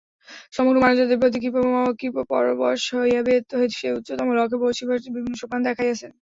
সমগ্র মানবজাতির প্রতি কৃপাপরবশ হইয়া বেদ সেই উচ্চতম লক্ষ্যে পৌঁছিবার বিভিন্ন সোপান দেখাইয়াছেন।